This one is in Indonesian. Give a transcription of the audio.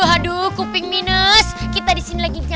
aduh kuping minus kita disini lagi nyap nyap